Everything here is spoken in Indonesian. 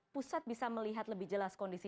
pusat bisa melihat lebih jelas kondisi